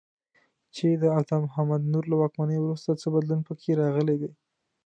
چې د عطا محمد نور له واکمنۍ وروسته څه بدلون په کې راغلی دی.